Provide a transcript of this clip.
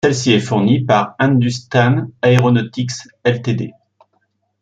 Celle-ci est fournie par Hindustan Aeronautics Ltd.